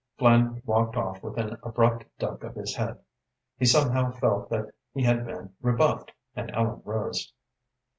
Flynn walked off with an abrupt duck of his head. He somehow felt that he had been rebuffed, and Ellen rose.